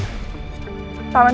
mau ketemu dimana